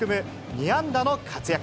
２安打の活躍。